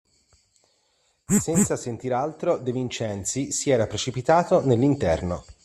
Senza sentir altro, De Vincenzi si era precipitato nell'interno.